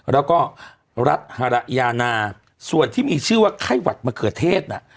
แล้วก็รัฐฮาระยานาส่วนที่มีชื่อว่าไข้หวัดมะเขือเทศน่ะ